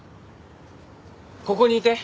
ここにいて。